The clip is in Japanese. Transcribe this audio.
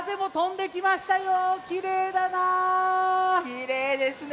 きれいですね。